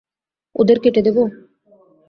ওদের কেট দেবো?